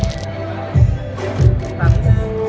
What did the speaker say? สโลแมคริปราบาล